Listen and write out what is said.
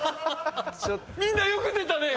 みんなよく出たね